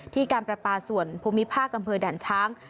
การประปาส่วนภูมิภาคอำเภอด่านช้าง